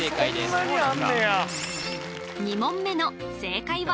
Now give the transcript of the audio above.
３問目の正解は